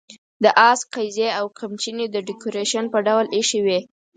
د آس قیضې او قمچینې د ډیکوریشن په ډول اېښې وې.